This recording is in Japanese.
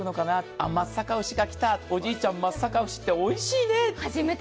あっ、松阪牛が来た、おじいちゃん、松阪牛っておいしいねって。